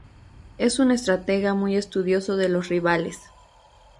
Es un estratega muy estudioso de los rivales.